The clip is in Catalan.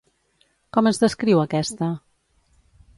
Com es descriu aquesta?